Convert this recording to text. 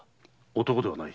男ではない。